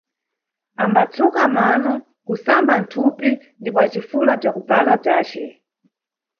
Ambatsuka mano, kusamba thupi ndipo acifula bzakubvala bzace.